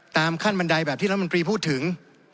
ขั้นบันไดแบบที่รัฐมนตรีพูดถึง